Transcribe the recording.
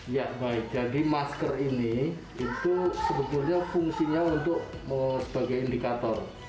ya baik jadi masker ini itu sebetulnya fungsinya untuk sebagai indikator